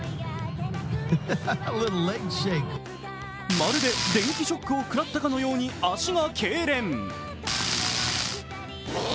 まるで電気ショックを食らったかのように足がけいれん。